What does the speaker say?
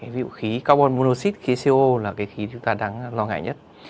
ví dụ khí carbon monoxide khí coo là khí chúng ta đang lo ngại nhất